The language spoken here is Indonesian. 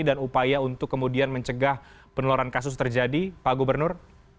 dan upaya untuk kemudian mencegah peneloran kasus terjadi pak gubernur